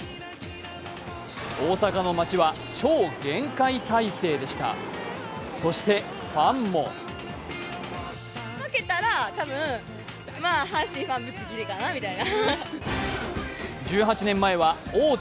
大阪の町は超厳戒態勢でしたそしてファンも１８年前は王手